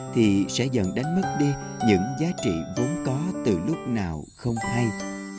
thì sẽ dần đánh mất đi những giá trị vốn có từ lúc nào không hay